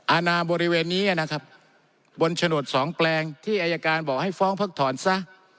อาณาบริเวณนี้นะครับบนโฉนดสองแปลงที่อายการบอกให้ฟ้องพักถอนซะ